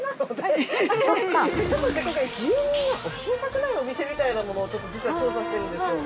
今回住人が教えたくないお店みたいなものを実は調査してるんですよ。